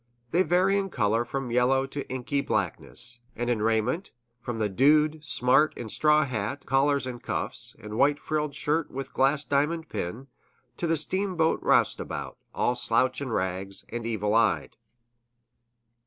They vary in color from yellow to inky blackness, and in raiment from the "dude," smart in straw hat, collars and cuffs, and white frilled shirt with glass diamond pin, to the steamboat roustabout, all slouch and rags, and evil eyed.